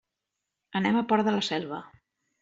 Anem al Port de la Selva.